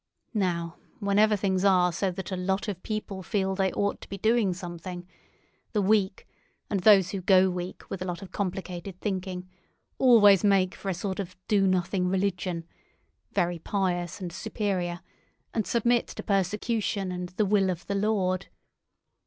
Now whenever things are so that a lot of people feel they ought to be doing something, the weak, and those who go weak with a lot of complicated thinking, always make for a sort of do nothing religion, very pious and superior, and submit to persecution and the will of the Lord.